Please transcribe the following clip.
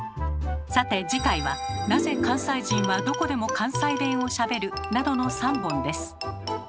さて次回は「なぜ関西人はどこでも関西弁をしゃべる？」などの３本です。